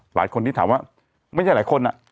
หลายคนที่ถามว่าไม่ใช่หลายคน